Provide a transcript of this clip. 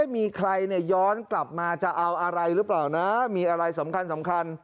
มีใครย้อนกลับมาจะเอาอะไรหรือเปล่านะมีอะไรสำคัญ